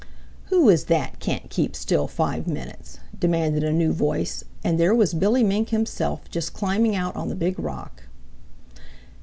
"Who is that can't keep still five minutes?" demanded a new voice, and there was Billy Mink himself just climbing out on the Big Rock.